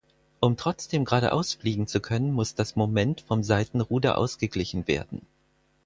Um trotzdem geradeaus fliegen zu können, muss das Moment vom Seitenruder ausgeglichen werden.